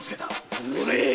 おのれっ！